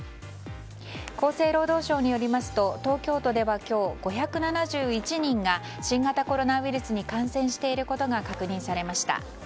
厚生労働省によりますと東京都では今日５７１人が新型コロナウイルスに感染していることが確認されました。